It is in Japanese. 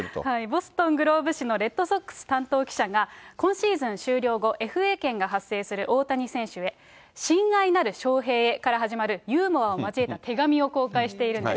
ボストン・グローブ紙のレッドソックス担当記者は、今シーズン終了後、ＦＡ権が発生する大谷選手へ、親愛なる翔平へから始まるユーモアを交えた手紙を公開しているんです。